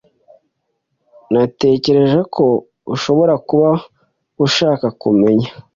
Natekereje ko ushobora kuba ushaka kumenya